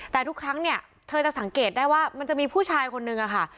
แต่ทุกครั้งเนี่ยเธอจะสังเกตได้ว่ามันจะมีผู้ชายคนนึงอะค่ะ